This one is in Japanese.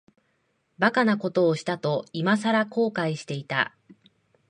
馬鹿なことをしたと、いまさら後悔していた。